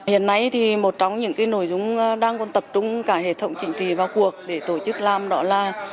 hiện nay thì một trong những nội dung đang còn tập trung cả hệ thống chính trị vào cuộc để tổ chức làm đó là